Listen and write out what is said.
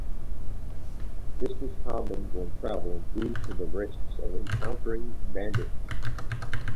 This was common when traveling due to the risk of encountering bandits.